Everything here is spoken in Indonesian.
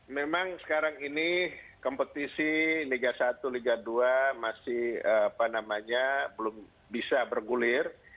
memang sekarang ini kompetisi liga satu liga dua masih belum bisa bergulir